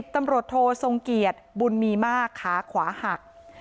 ตำรวจโททรงเกียรติบุญมีมากขาขวาหัก